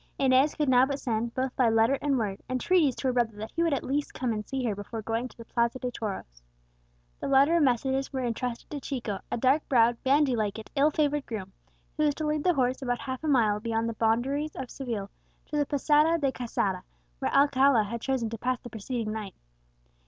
Inez could now but send, both by letter and word, entreaties to her brother that he would at least come and see her before going to the Plaza de Toros. The letter and messages were intrusted to Chico, a dark browed, bandy legged, ill favoured groom, who was to lead the horse about a mile beyond the boundaries of Seville, to the Posada de Quesada, where Alcala had chosen to pass the preceding night.